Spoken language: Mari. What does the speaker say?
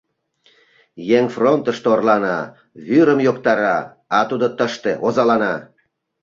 Еҥ фронтышто орлана, вӱрым йоктара, а тудо тыште озалана».